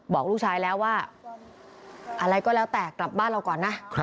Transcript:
บอกลูกชายแล้วว่าอะไรก็แล้วแต่กลับบ้านเราก่อนนะ